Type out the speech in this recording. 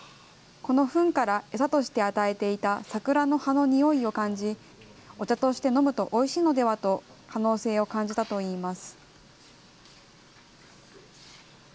このフンから餌として与えていたサクラの葉のにおいを感じ、お茶として飲むとおいしいのではと、可能性を感じたといいます。